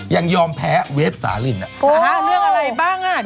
ยังยอมแพ้เวฟสาลินอ่ะนะฮะเรื่องอะไรบ้างอ่ะ